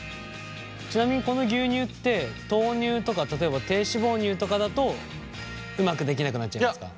ちなみにこの牛乳って豆乳とか例えば低脂肪乳とかだとうまくできなくなっちゃうんですか？